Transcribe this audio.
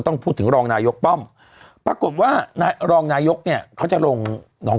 ต้องพูดถึงรองนายกป้อมปรากฏว่านายรองนายกเนี่ยเขาจะลงน้อง